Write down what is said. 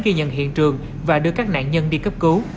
ghi nhận hiện trường và đưa các nạn nhân đi cấp cứu